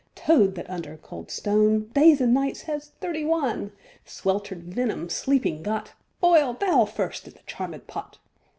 — Toad, that under cold stone Days and nights has thirty one Swelter'd venom sleeping got, Boil thou first i' th' charmed pot!